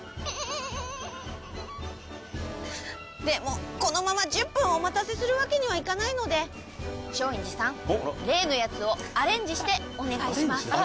でもこのまま１０分お待たせするわけにはいかないので松陰寺さん例のやつをアレンジしてお願いします。